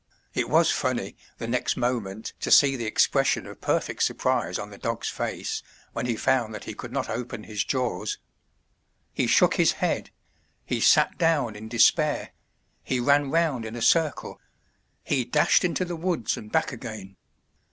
It was funny the next moment to see the expression of perfect surprise on the dog's face when he found that he could not open his jaws. He shook his head; he sat down in despair; he ran round in a circle; he dashed into the woods and back again.